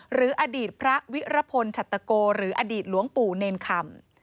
หรืออดีตพระวิรพลชัตโกหรืออดีตหลวงปู่เนรคำ